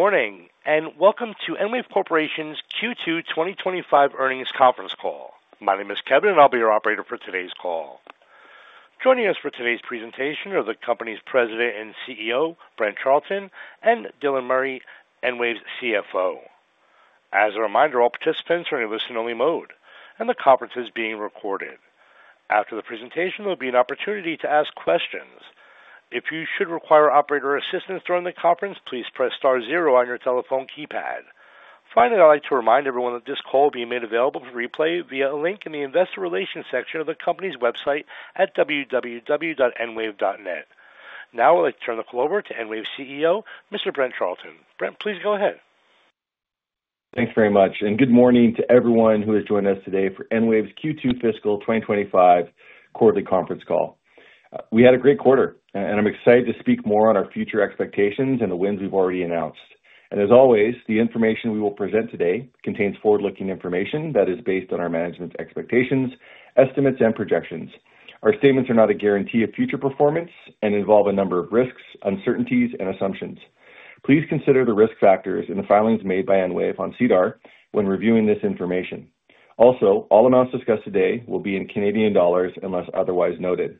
Good morning and welcome to EnWave Corporation's Q2 2025 Earnings Conference Call. My name is Kevin, and I'll be your operator for today's call. Joining us for today's presentation are the company's President and CEO, Brent Charleton, and Dylan Murray, EnWave's CFO. As a reminder, all participants are in a listen-only mode, and the conference is being recorded. After the presentation, there'll be an opportunity to ask questions. If you should require operator assistance during the conference, please press star zero on your telephone keypad. Finally, I'd like to remind everyone that this call will be made available for replay via a link in the investor relations section of the company's website at www.enwave.net. Now, I'd like to turn the call over to EnWave CEO, Mr. Brent Charleton. Brent, please go ahead. Thanks very much, and good morning to everyone who has joined us today for EnWave's Q2 Fiscal 2025 Quarterly Conference Call. We had a great quarter, and I'm excited to speak more on our future expectations and the wins we've already announced. As always, the information we will present today contains forward-looking information that is based on our management's expectations, estimates, and projections. Our statements are not a guarantee of future performance and involve a number of risks, uncertainties, and assumptions. Please consider the risk factors in the filings made by EnWave on SEDAR when reviewing this information. Also, all amounts discussed today will be in CAD unless otherwise noted.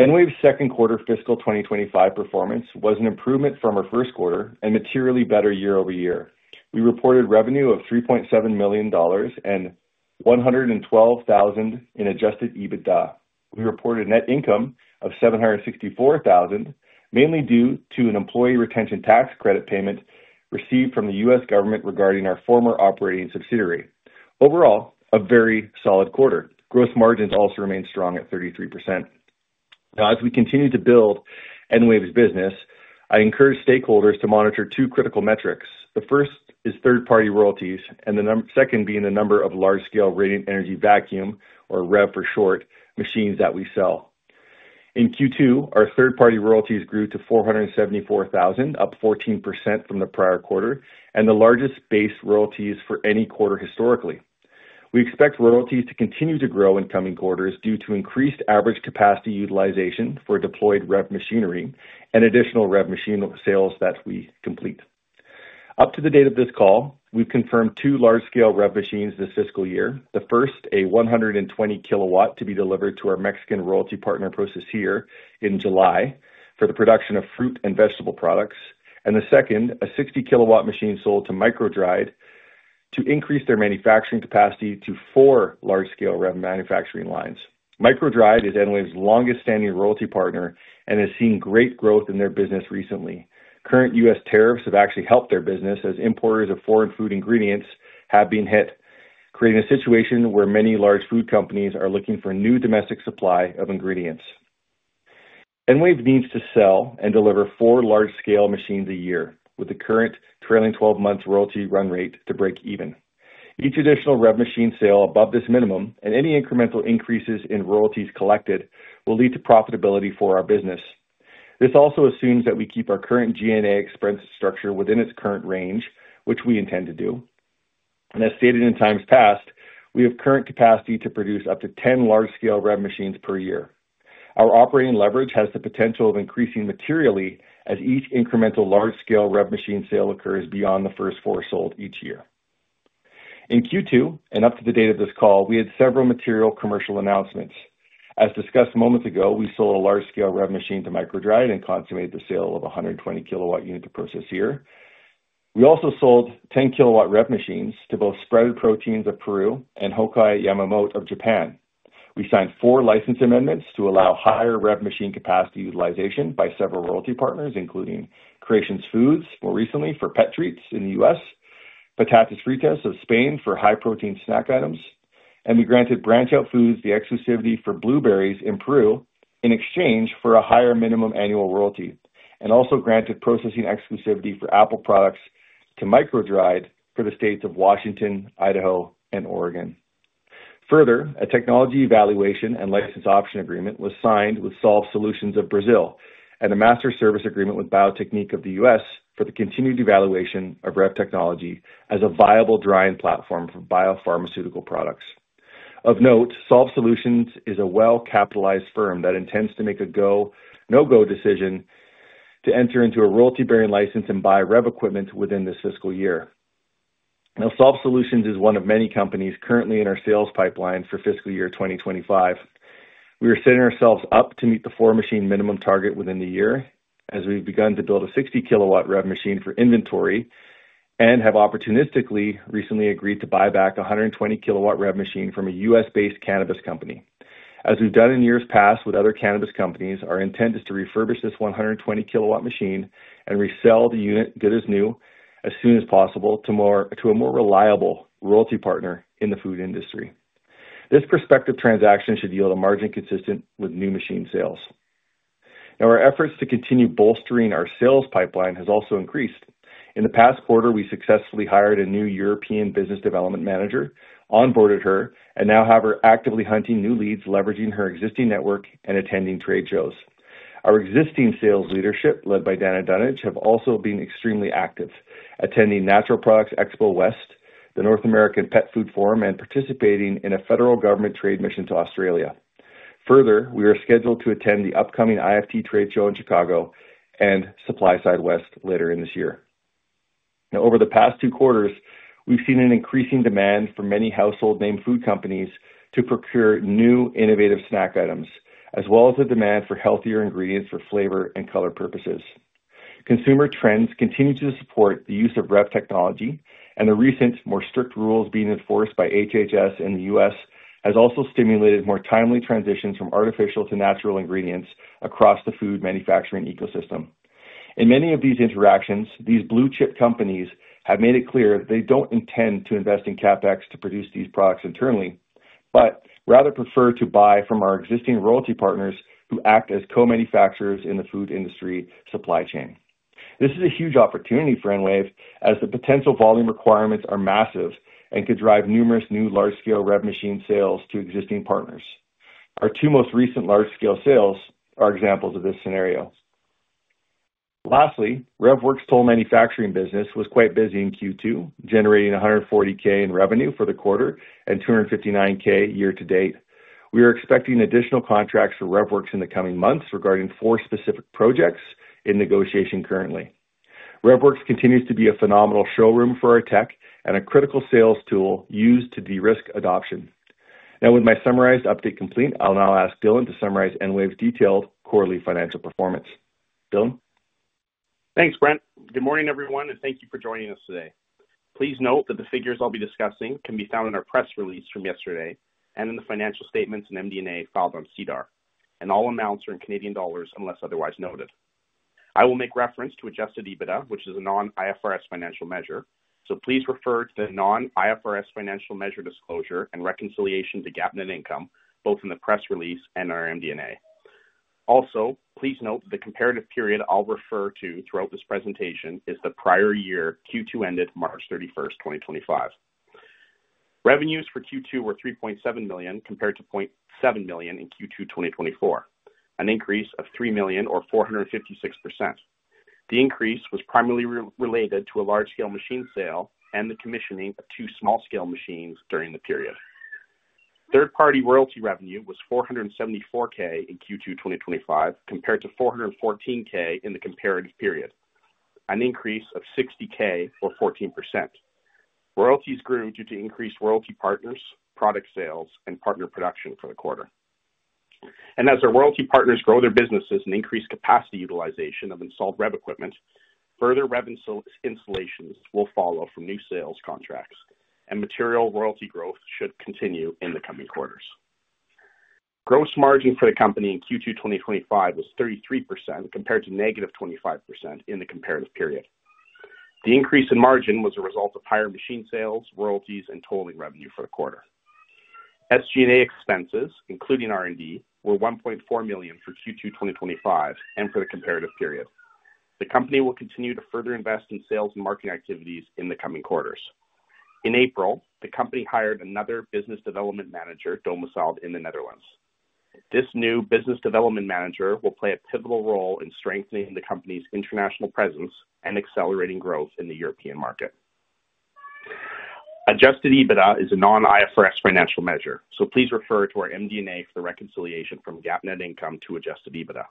EnWave's 2nd quarter fiscal 2025 performance was an improvement from our 1st quarter and materially better year over year. We reported revenue of 3.7 million dollars and 112,000 in adjusted EBITDA. We reported net income of 764,000, mainly due to an employee retention tax credit payment received from the U.S. government regarding our former operating subsidiary. Overall, a very solid quarter. Gross margins also remained strong at 33%. Now, as we continue to build EnWave's business, I encourage stakeholders to monitor two critical metrics. The first is third-party royalties, and the second being the number of large-scale Radiant Energy Vacuum, or REV for short, machines that we sell. In Q2, our third-party royalties grew to 474,000, up 14% from the prior quarter, and the largest base royalties for any quarter historically. We expect royalties to continue to grow in coming quarters due to increased average capacity utilization for deployed REV machinery and additional REV machine sales that we complete. Up to the date of this call, we've confirmed two large-scale REV machines this fiscal year. The first, a 120-kW to be delivered to our Mexican royalty partner PROCESCIR in July for the production of fruit and vegetable products, and the second, a 60-kW machine sold to MicroDried to increase their manufacturing capacity to four large-scale REV manufacturing lines. MicroDried is EnWave's longest-standing royalty partner and has seen great growth in their business recently. Current U.S. tariffs have actually helped their business, as importers of foreign food ingredients have been hit, creating a situation where many large food companies are looking for new domestic supply of ingredients. EnWave needs to sell and deliver four large-scale machines a year, with the current trailing 12-month royalty run rate to break even. Each additional REV machine sale above this minimum and any incremental increases in royalties collected will lead to profitability for our business. This also assumes that we keep our current G&A expense structure within its current range, which we intend to do. As stated in times past, we have current capacity to produce up to 10 large-scale REV machines per year. Our operating leverage has the potential of increasing materially as each incremental large-scale REV machine sale occurs beyond the first four sold each year. In Q2, and up to the date of this call, we had several material commercial announcements. As discussed moments ago, we sold a large-scale REV machine to MicroDried and consummated the sale of a 120-kW unit to PROCESCIR. We also sold 10-kW REV machines to both Sprouted Proteins of Peru and Hokkai Yamato of Japan. We signed four license amendments to allow higher REV machine capacity utilization by several royalty partners, including Creations Foods more recently for pet treats in the U.S., Patatas Fritas of Spain for high-protein snack items, and we granted BranchOut Foods the exclusivity for blueberries in Peru in exchange for a higher minimum annual royalty, and also granted processing exclusivity for apple products to MicroDried for the states of Washington, Idaho, and Oregon. Further, a technology evaluation and license option agreement was signed with Solve Solutions of Brazil and a master service agreement with Biotechnique of the U.S. for the continued evaluation of REV technology as a viable drying platform for biopharmaceutical products. Of note, Solve Solutions is a well-capitalized firm that intends to make a no-go decision to enter into a royalty-bearing license and buy REV equipment within this fiscal year. Now, Solve Solutions is one of many companies currently in our sales pipeline for fiscal year 2025. We are setting ourselves up to meet the four-machine minimum target within the year as we've begun to build a 60-kW REV machine for inventory and have opportunistically recently agreed to buy back a 120-kW REV machine from a U.S. based cannabis company. As we've done in years past with other cannabis companies, our intent is to refurbish this 120-kW machine and resell the unit good as new as soon as possible to a more reliable royalty partner in the food industry. This prospective transaction should yield a margin consistent with new machine sales. Now, our efforts to continue bolstering our sales pipeline have also increased. In the past quarter, we successfully hired a new European business development manager, onboarded her, and now have her actively hunting new leads, leveraging her existing network and attending trade shows. Our existing sales leadership, led by Danna Dunnage, have also been extremely active, attending Natural Products Expo West, the North American Pet Food Forum, and participating in a federal government trade mission to Australia. Further, we are scheduled to attend the upcoming IFT trade show in Chicago and Supply Side West later in this year. Now, over the past two quarters, we've seen an increasing demand for many household-name food companies to procure new innovative snack items, as well as the demand for healthier ingredients for flavor and color purposes. Consumer trends continue to support the use of REV technology, and the recent more strict rules being enforced by HHS in the U.S. has also stimulated more timely transitions from artificial to natural ingredients across the food manufacturing ecosystem. In many of these interactions, these blue-chip companies have made it clear that they don't intend to invest in CapEx to produce these products internally, but rather prefer to buy from our existing royalty partners who act as co-manufacturers in the food industry supply chain. This is a huge opportunity for EnWave, as the potential volume requirements are massive and could drive numerous new large-scale REV machine sales to existing partners. Our two most recent large-scale sales are examples of this scenario. Lastly, REVworx's sole manufacturing business was quite busy in Q2, generating 140,000 in revenue for the quarter and 259,000 year-to-date. We are expecting additional contracts for REVworx in the coming months regarding four specific projects in negotiation currently. REVworx continues to be a phenomenal showroom for our tech and a critical sales tool used to de-risk adoption. Now, with my summarized update complete, I'll now ask Dylan to summarize EnWave's detailed quarterly financial performance. Dylan? Thanks, Brent. Good morning, everyone, and thank you for joining us today. Please note that the figures I'll be discussing can be found in our press release from yesterday and in the financial statements and MD&A filed on SEDAR, and all amounts are in CAD unless otherwise noted. I will make reference to adjusted EBITDA, which is a non-IFRS financial measure, so please refer to the non-IFRS financial measure disclosure and reconciliation to GAAP net income, both in the press release and our MD&A. Also, please note the comparative period I'll refer to throughout this presentation is the prior year Q2 ended March 31ST, 2024. Revenues for Q2 were 3.7 million compared to 0.7 million in Q2 2024, an increase of 3 million, or 456%. The increase was primarily related to a large-scale machine sale and the commissioning of two small-scale machines during the period. Third-party royalty revenue was 474,000 in Q2 2025 compared to 414,000 in the comparative period, an increase of 60,000, or 14%. Royalties grew due to increased royalty partners, product sales, and partner production for the quarter. As our royalty partners grow their businesses and increase capacity utilization of installed REV equipment, further REV installations will follow from new sales contracts, and material royalty growth should continue in the coming quarters. Gross margin for the company in Q2 2025 was 33% compared to negative 25% in the comparative period. The increase in margin was a result of higher machine sales, royalties, and total revenue for the quarter. SG&A expenses, including R&D, were 1.4 million for Q2 2025 and for the comparative period. The company will continue to further invest in sales and marketing activities in the coming quarters. In April, the company hired another business development manager domiciled in the Netherlands. This new business development manager will play a pivotal role in strengthening the company's international presence and accelerating growth in the European market. Adjusted EBITDA is a non-IFRS financial measure, so please refer to our MD&A for the reconciliation from GAAP net income to adjusted EBITDA.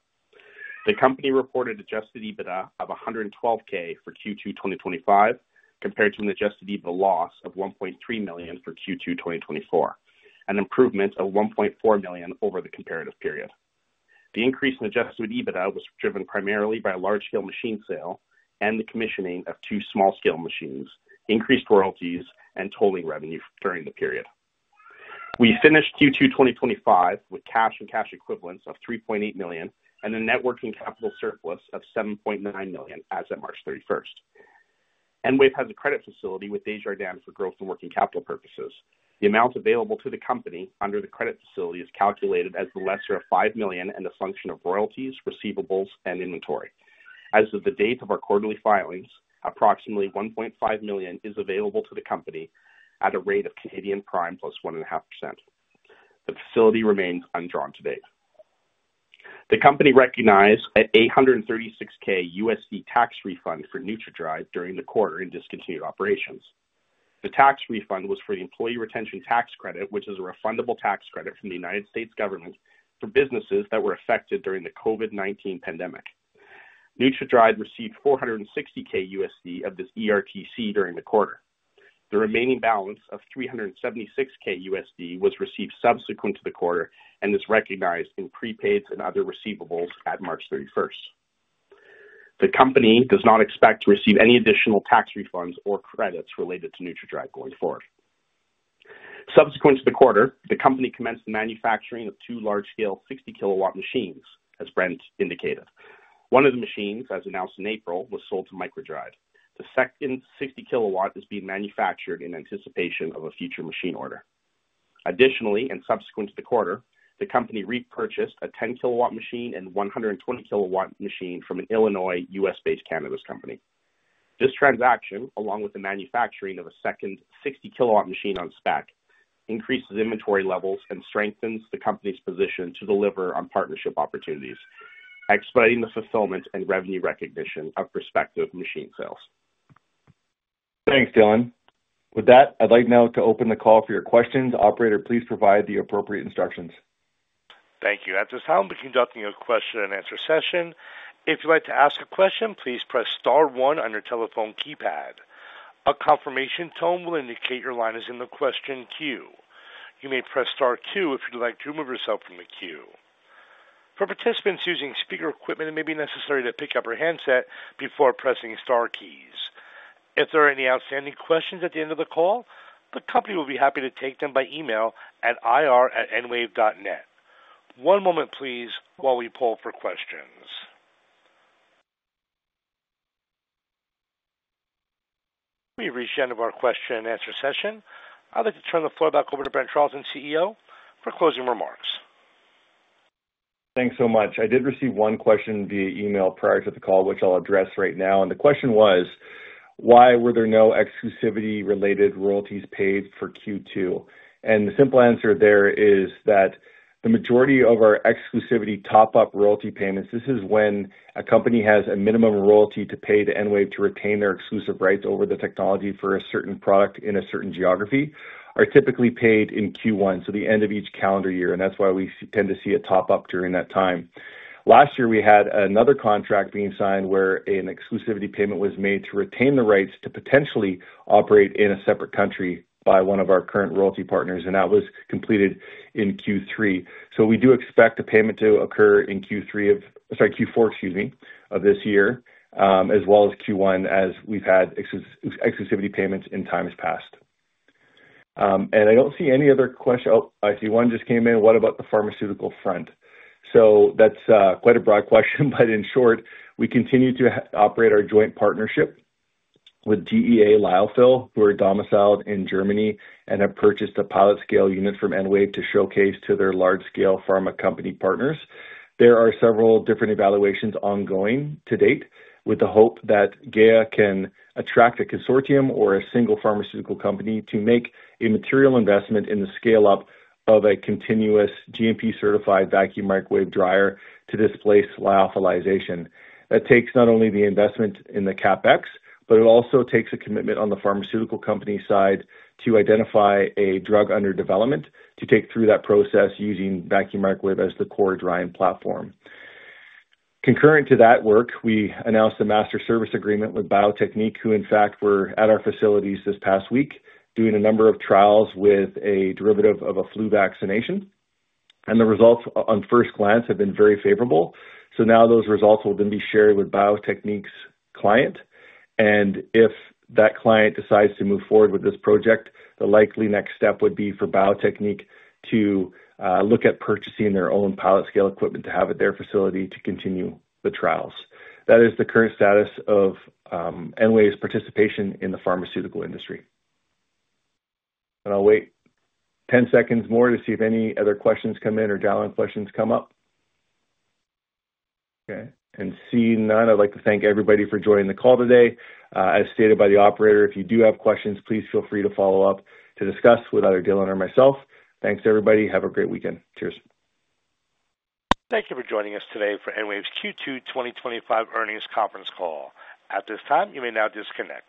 The company reported adjusted EBITDA of 112,000 for Q2 2025 compared to an adjusted EBITDA loss of 1.3 million for Q2 2024, an improvement of 1.4 million over the comparative period. The increase in adjusted EBITDA was driven primarily by a large-scale machine sale and the commissioning of two small-scale machines, increased royalties, and totaling revenue during the period. We finished Q2 2025 with cash and cash equivalents of 3.8 million and a net working capital surplus of 7.9 million as of March 31st. EnWave has a credit facility with Desjardins for growth and working capital purposes. The amount available to the company under the credit facility is calculated as the lesser of 5 million and a function of royalties, receivables, and inventory. As of the date of our quarterly filings, approximately 1.5 million is available to the company at a rate of Canadian prime +1.5%. The facility remains undrawn to date. The company recognized a $836,000 USD tax refund for NutraDried during the quarter in discontinued operations. The tax refund was for the Employee Retention Tax Credit, which is a refundable tax credit from the U.S. government for businesses that were affected during the COVID-19 pandemic. NutraDried received $460,000 USD of this ERTC during the quarter. The remaining balance of $376,000 USD was received subsequent to the quarter, and this is recognized in prepaids and other receivables at March 31st. The company does not expect to receive any additional tax refunds or credits related to NutraDried going forward. Subsequent to the quarter, the company commenced the manufacturing of two large-scale 60-kW machines, as Brent indicated. One of the machines, as announced in April, was sold to MicroDried. The second 60-kW is being manufactured in anticipation of a future machine order. Additionally, subsequent to the quarter, the company repurchased a 10-kW machine and 120-kW machine from an Illinois U.S. based cannabis company. This transaction, along with the manufacturing of a second 60-kW machine on spec, increases inventory levels and strengthens the company's position to deliver on partnership opportunities, expediting the fulfillment and revenue recognition of prospective machine sales. Thanks, Dylan. With that, I'd like now to open the call for your questions. Operator, please provide the appropriate instructions. Thank you. At this time, we're conducting a question-and-answer session. If you'd like to ask a question, please press star one on your telephone keypad. A confirmation tone will indicate your line is in the question queue. You may press star two if you'd like to remove yourself from the queue. For participants using speaker equipment, it may be necessary to pick up your handset before pressing star keys. If there are any outstanding questions at the end of the call, the company will be happy to take them by email at ir@enwave.net. One moment, please, while we pull for questions. We've reached the end of our question-and-answer session. I'd like to turn the floor back over to Brent Charleton, CEO, for closing remarks. Thanks so much. I did receive one question via email prior to the call, which I'll address right now. The question was, why were there no exclusivity-related royalties paid for Q2? The simple answer there is that the majority of our exclusivity top-up royalty payments—this is when a company has a minimum royalty to pay to EnWave to retain their exclusive rights over the technology for a certain product in a certain geography—are typically paid in Q1, so the end of each calendar year. That is why we tend to see a top-up during that time. Last year, we had another contract being signed where an exclusivity payment was made to retain the rights to potentially operate in a separate country by one of our current royalty partners, and that was completed in Q3. We do expect a payment to occur in Q3 of—sorry, Q4, excuse me—of this year, as well as Q1, as we've had exclusivity payments in times past. I don't see any other questions. Oh, I see one just came in. What about the pharmaceutical front? That's quite a broad question, but in short, we continue to operate our joint partnership with GEA Lyophil, who are domiciled in Germany and have purchased a pilot-scale unit from EnWave to showcase to their large-scale pharma company partners. There are several different evaluations ongoing to date, with the hope that GEA can attract a consortium or a single pharmaceutical company to make a material investment in the scale-up of a continuous GMP-certified vacuum microwave dryer to displace lyophilization. That takes not only the investment in the CapEx, but it also takes a commitment on the pharmaceutical company's side to identify a drug under development to take through that process using vacuum microwave as the core drying platform. Concurrent to that work, we announced a master service agreement with Biotechnique, who, in fact, were at our facilities this past week doing a number of trials with a derivative of a flu vaccination. The results, on first glance, have been very favorable. Now those results will then be shared with Biotechnique's client. If that client decides to move forward with this project, the likely next step would be for Biotechnique to look at purchasing their own pilot-scale equipment to have at their facility to continue the trials. That is the current status of EnWave's participation in the pharmaceutical industry. I'll wait 10 seconds more to see if any other questions come in or downline questions come up. Okay. Seeing none, I'd like to thank everybody for joining the call today. As stated by the operator, if you do have questions, please feel free to follow up to discuss with either Dylan or myself. Thanks, everybody. Have a great weekend. Cheers. Thank you for joining us today for EnWave's Q2 2025 Earnings Conference Call. At this time, you may now disconnect.